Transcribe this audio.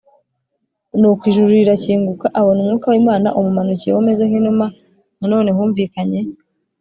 nuko ijuru rirakinguka abona umwuka w Imana umumanukiyeho umeze nk inuma Nanone humvikanye